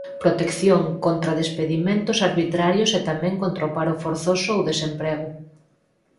Protección contra despedimentos arbitrarios e tamén contra o paro forzoso ou desemprego.